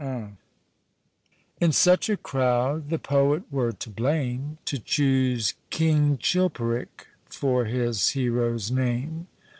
In such a crowd the Poet were to blame To choose King Chilperic for his hero's name.